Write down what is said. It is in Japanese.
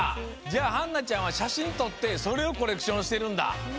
じゃあはんなちゃんはしゃしんとってそれをコレクションしてるんだ。